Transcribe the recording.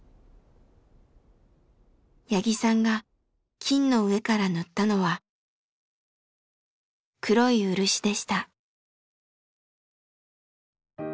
八木さんが金の上から塗ったのは黒い漆でした。